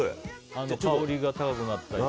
香りが高くなったり。